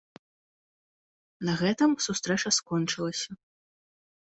На гэтым сустрэча скончылася.